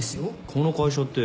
この会社って。